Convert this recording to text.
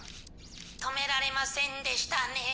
止められませんでしたね。